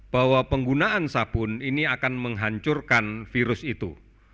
bahwa penggunaan sabun ini akan menghancurkan virus itu